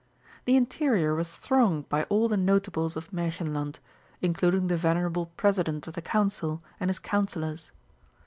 The interior was thronged by all the notables of Märchenland, including the venerable President of the Council and his Councillors.